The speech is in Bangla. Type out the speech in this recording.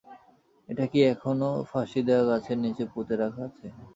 এটা কি এখনো ফাঁসি দেয়া গাছের নিচে পুঁতে রাখা আছে?